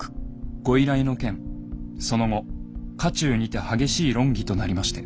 ご依頼の件その後家中にて激しい論議となりまして」。